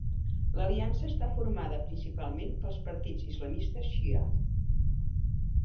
L'Aliança està formada principalment per partits islamistes Shi'a.